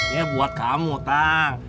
ya buat kamu tang